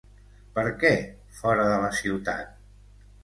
Per què fora de la ciutat?